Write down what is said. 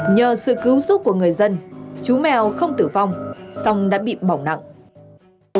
nhờ sự cứu giúp của người dân chú mèo không tử vong song đã bị bỏng nặng